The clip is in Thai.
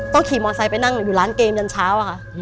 ต้องขี่มอเซตไปนั่งอยู่ร้านเกมจันทร์โชว์ค่ะ